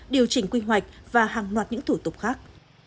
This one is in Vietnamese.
điều chỉnh quy hoạch và hàng loạt những thủ tục khác